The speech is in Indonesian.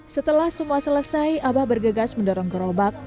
setelah semua selesai abah bergegas mendorong gerobak